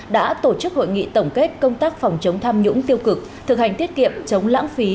đã tổ chức hội nghị tổng kết công tác phòng chống tham nhũng tiêu cực thực hành tiết kiệm chống lãng phí